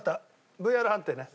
ＶＡＲ判定ね。